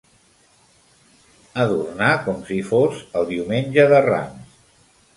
Adornar com si fos el Diumenge de Rams.